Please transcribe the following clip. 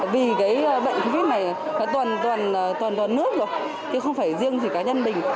vì cái bệnh covid này toàn toàn nước rồi chứ không phải riêng chỉ cá nhân mình